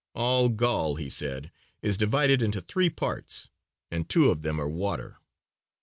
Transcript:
"All Gaul," he said, "is divided into three parts and two of them are water."